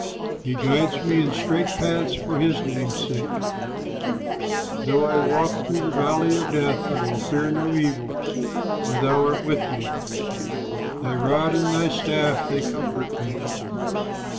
He guides me in straight paths for his name's sake; Though I walk through the valley of death, I will fear no evil, for thou art with me, Thy rod and thy staff they comfort me.